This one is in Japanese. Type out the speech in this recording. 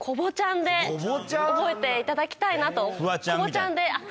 で覚えていただきたいなと。